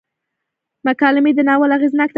مکالمې د ناول اغیزناک تخنیک دی.